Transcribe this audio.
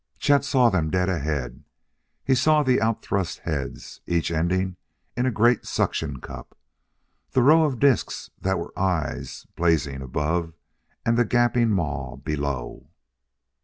Chet saw them dead ahead; he saw the outthrust heads, each ending in a great suction cup, the row of disks that were eyes blazing above, and the gaping maw below.